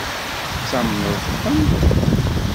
Tettamneḍ-tent?